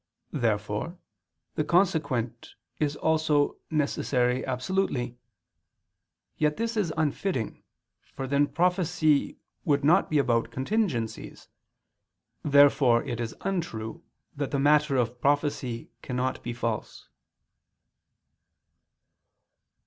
Therefore the consequent is also necessary absolutely; yet this is unfitting, for then prophecy would not be about contingencies. Therefore it is untrue that the matter of prophecy cannot be false.